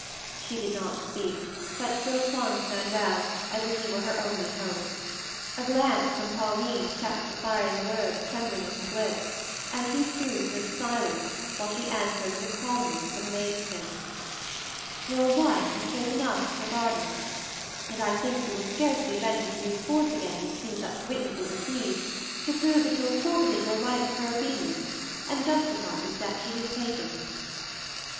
She did not speak, but still clung to Manuel as if he were her only hope. A glance from Pauline checked the fiery words trembling on his lips, and he too stood silent while she answered with a calmness that amazed him: "Your wife has chosen us her guardians, and I think you will scarcely venture to use force again with two such witnesses as these to prove that you have forfeited your right to her obedience and justify the step she has taken."